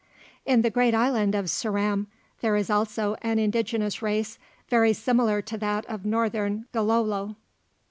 In the great island of Ceram there is also an indigenous race very similar to that of Northern Gilolo.